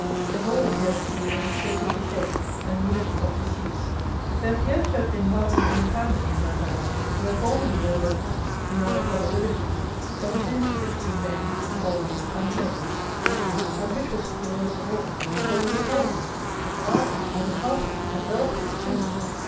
But all appeared to be in a state of decay and nearly of disuse. There appeared to have been hardly any family in that house, where formerly there were, in all probability, from ten to fifteen men, boys, and maids: and, which was the worst of all, there was a parlour. Aye, and a carpet and bell pull too!